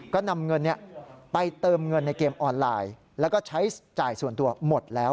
ก็นำเงินไปเติมเงินในเกมออนไลน์แล้วก็ใช้จ่ายส่วนตัวหมดแล้ว